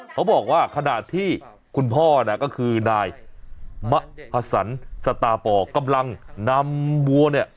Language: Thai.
เขาบอกว่าขณะที่คุณพ่อเนี่ยก็คือนายมะพสันสตาปอกำลังนำวัวเนี่ย